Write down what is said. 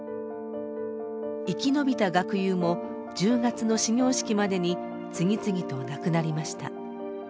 生き延びた学友も１０月の始業式までに次々と亡くなりました。